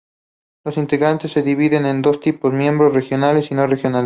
Los integrantes se dividen en dos tipos: miembros regionales y no regionales.